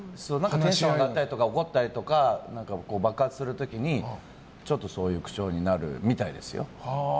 テンションが上がったりとか怒ったりとか爆発する時にそういう口調になるみたいですよ。